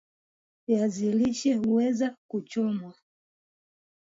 viazi lishe huweza huchomwa